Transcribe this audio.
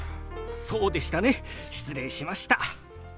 そうでしたね失礼しました。